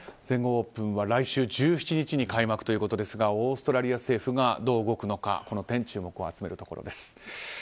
全豪オープンは来週１７日に開幕ということですがオーストラリア政府がどう動くのかこの点、注目を集めるところです。